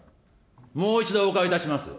もう一度おうかがいいたします。